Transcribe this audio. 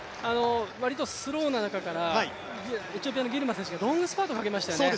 割とスローな中からエチオピアのギルマ選手がロングスパートをかけましたよね。